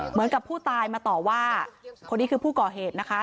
เหมือนกับผู้ตายมาต่อว่าคนนี้คือผู้ก่อเหตุนะคะ